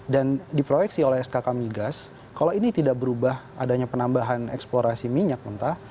dan diproyeksi oleh skk migas kalau ini tidak berubah adanya penambahan eksplorasi minyak mentah